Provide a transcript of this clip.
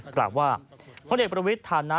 กล่าวว่าพลเอกประวิทย์ฐานะ